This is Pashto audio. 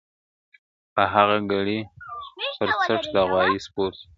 په هغه ګړې پر څټ د غوايی سپور سو ..